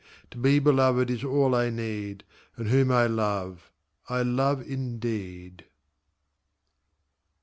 To be beloved is all I need, And whom I love, I love indeed.